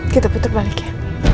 kita puter balik ya